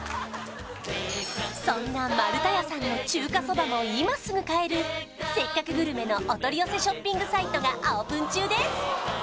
そんな丸田屋さんの中華そばも今すぐ買える「せっかくグルメ！！」のお取り寄せショッピングサイトがオープン中です！